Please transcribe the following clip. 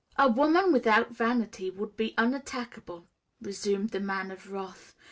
"A woman without vanity would be unattackable," resumed the Man of Wrath.